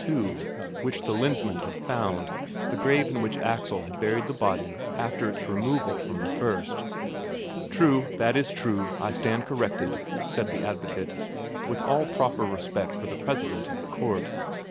2 which the Lensmand had found the grave in which Axel had buried the body after its removal from the first. "True, that is true. I stand corrected," said the advocate, with all proper respect for the president of the court.